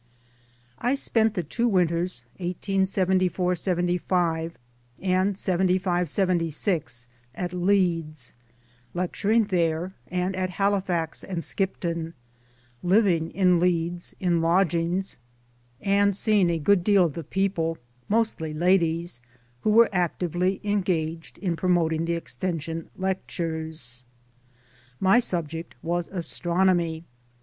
I spent the two winters *74 '/5 and '75 '7 6 at Leeds lecturing there, and at Halifax and Skipton living in Leeds, in lodgings and seeing a good deal of the people (mostly ladies) who were actively engaged in promoting the Extension lectures. My subject was Astronomy.